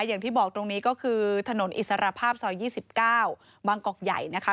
อย่างที่บอกตรงนี้ก็คือถนนอิสรภาพซอย๒๙บางกอกใหญ่นะคะ